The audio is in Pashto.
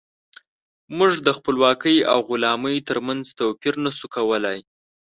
موږ د خپلواکۍ او غلامۍ ترمنځ توپير نشو کولی.